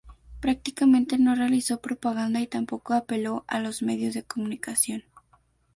Prácticamente no realizó propaganda y tampoco apeló a los medios de comunicación.